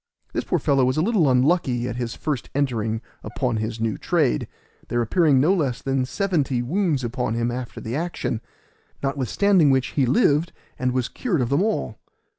This poor fellow was a little unlucky at his first entering upon his new trade, there appearing no less than seventy wounds upon him after the action; notwithstanding which he lived and was cured of them all.